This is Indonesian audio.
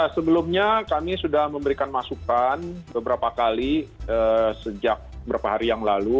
sebelumnya kami sudah memberikan masukan beberapa kali sejak beberapa hari yang lalu